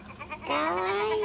かわいい！